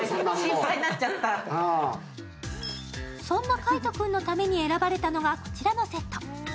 そんな海音君のために選ばれたのがこちらのセット。